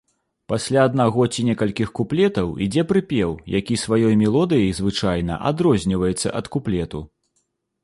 Пасля аднаго ці некалькіх куплетаў ідзе прыпеў, які сваёй мелодыяй звычайна адрозніваецца ад куплету.